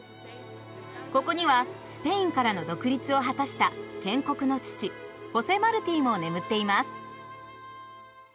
ここにはスペインからの独立を果たした建国の父ホセ・マルティも眠っています。